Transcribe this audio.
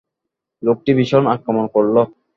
লোকটি ভীষণ আক্রমণ করল।